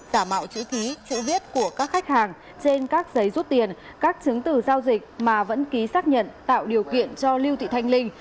giả mạo chữ ký chữ viết của các khách hàng trên các giấy rút tiền các chứng từ giao dịch mà vẫn ký xác nhận tạo điều kiện cho lưu thị thanh linh